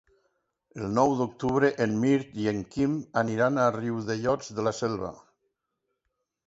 El nou d'octubre en Mirt i en Quim aniran a Riudellots de la Selva.